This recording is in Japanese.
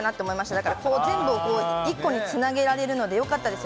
だから全部こう、一個につなげられるのでよかったです。